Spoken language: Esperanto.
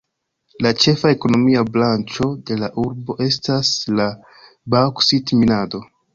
La ĉefa ekonomia branĉo de la urbo estas la baŭksit-minado.